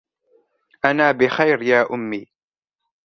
أنا بخير يا أمّي.